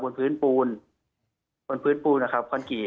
บนพื้นปูนนะครับคอนกรีต